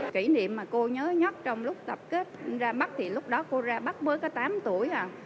kỷ niệm mà cô nhớ nhất trong lúc tập kết ra mắt thì lúc đó cô ra bắc mới có tám tuổi